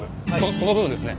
この部分ですね。